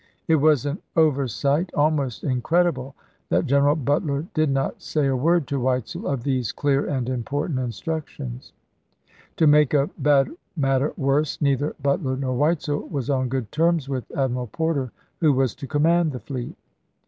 It was an oversight ibfd.,p.io.' almost incredible that General Butler did not say a word to Weitzel of these clear and important in 60 ABRAHAM LINCOLN chap hi. structions. To make a bad matter worse neither Butler nor Weitzel was on good terms with Ad miral Porter, who was to command the fleet.